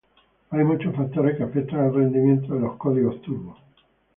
Hay muchos factores que afectan el rendimiento de los turbo códigos.